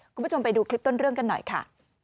คุณผู้ชมไปดูคลิปต้นเรื่องกันหน่อยค่ะ